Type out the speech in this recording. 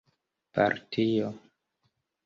partio